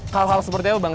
hal hal seperti itu bang